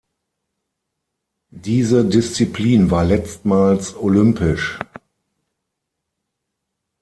Diese Disziplin war letztmals olympisch.